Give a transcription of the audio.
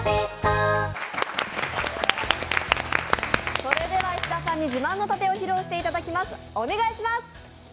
それでは石田さんに自慢の殺陣を披露していただきます。